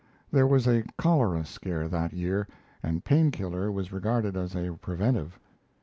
There was a cholera scare that year, and Pain killer was regarded as a preventive.